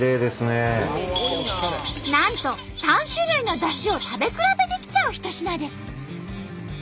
なんと３種類のだしを食べ比べできちゃう一品です。